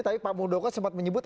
tapi pak muldoko sempat menyebut